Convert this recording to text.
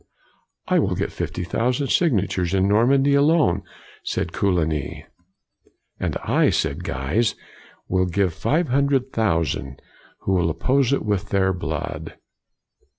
" I will get fifty thousand signatures in Normandy alone," said Coligny. COLIGNY 155 "And I," said Guise, " will get five hundred thousand who will oppose it with their blood."